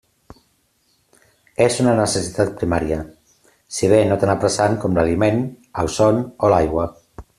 És una necessitat primària, si bé no tan apressant com l'aliment, el son o l'aigua.